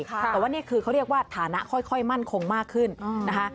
แต่ว่านี่คือเขาเรียกว่าฐานะค่อยมั่นคงมากขึ้นนะคะ